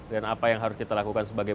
dan apa yang harus kita lakukan sebagai